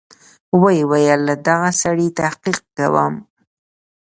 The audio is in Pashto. ويې ويل له دغه سړي تحقيق کوم.